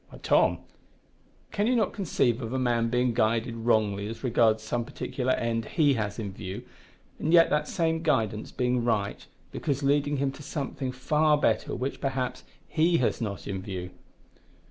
"Why, Tom, can you not conceive of a man being guided wrongly as regards some particular end he has in view, and yet that same guidance being right, because leading him to something far better which, perhaps, he has not in view?"